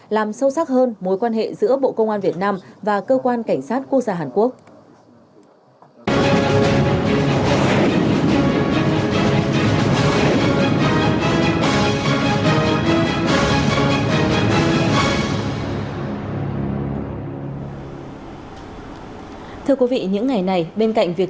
làm sâu sắc hơn mối quan hệ giữa bộ công an việt nam và cơ quan cảnh sát quốc gia hàn quốc